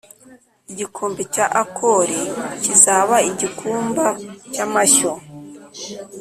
igikombe cya Akori kizaba igikumba cy amashyo